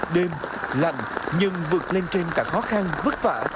đêm lạnh nhưng vượt lên trên cả khó khăn vất vả